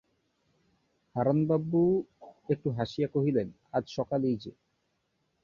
হারানবাবু একটু হাসিয়া কহিলেন, আজ সকালেই যে!